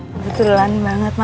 kebetulan banget ma